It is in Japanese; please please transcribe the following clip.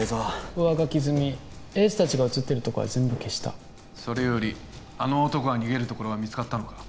上書き済みエース達が写ってるとこは全部消したそれよりあの男が逃げるところは見つかったのか？